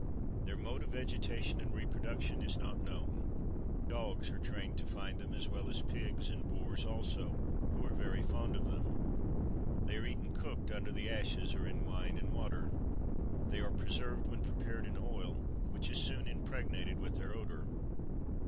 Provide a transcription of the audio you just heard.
Their mode of vegetation and reproduction is not known. Dogs are trained to find them, as well as pigs, and boars also, who are very fond of them. They are eaten cooked under the ashes, or in wine and water. They are preserved, when prepared in oil, which is soon impregnated with their odour.